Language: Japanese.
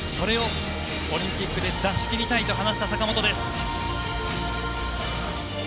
それをオリンピックで出し切りたいと話した坂本です。